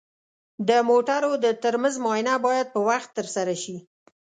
د موټرو د ترمز معاینه باید په وخت ترسره شي.